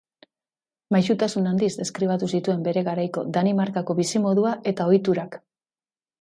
Maisutasun handiz deskribatu zituen bere garaiko Danimarkako bizimodua eta ohiturak.